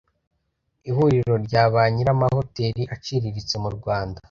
Ihuriro rya ba Nyir’amahoteli aciriritse mu Rwanda